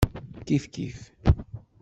Kifkif.